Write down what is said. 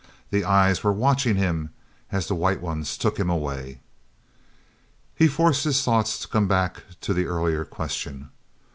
The eyes were watching him as the White Ones took him away. He forced his thoughts to come back to the earlier question.